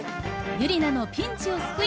ユリナのピンチを救い。